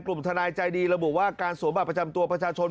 ทนายใจดีระบุว่าการสวมบัตรประจำตัวประชาชน